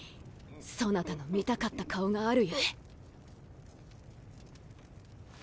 そなたの見たかった顔があるゆえ。